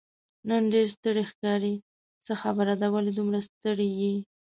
نن ډېر ستړی ښکارې، څه خبره ده، ولې دومره ستړی یې؟